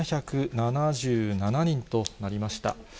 ８７７７人となりました。